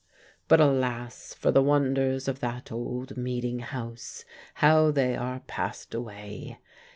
But alas for the wonders of that old meeting house, how they are passed away!